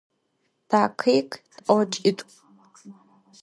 Takhikh t'oç'it'u.